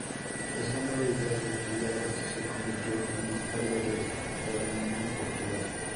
Esta nueva idea de tríadas se convirtió en un área de estudio muy popular.